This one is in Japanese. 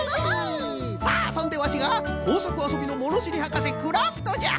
さあそんでワシがこうさくあそびのものしりはかせクラフトじゃ！